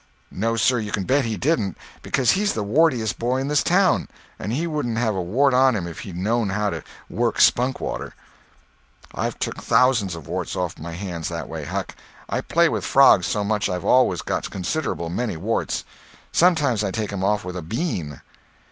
"No, sir, you can bet he didn't, becuz he's the wartiest boy in this town; and he wouldn't have a wart on him if he'd knowed how to work spunk water. I've took off thousands of warts off of my hands that way, Huck. I play with frogs so much that I've always got considerable many warts. Sometimes I take 'em off with a bean."